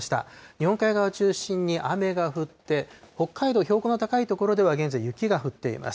日本海側中心に雨が降って、北海道、標高の高い所では現在、雪が降っています。